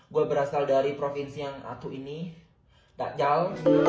gue berasal dari provinsi yang satu ini dajjal